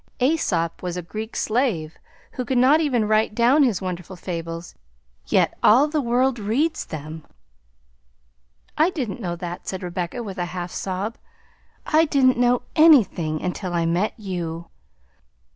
AEsop was a Greek slave who could not even write down his wonderful fables; yet all the world reads them." "I didn't know that," said Rebecca, with a half sob. "I didn't know anything until I met you!"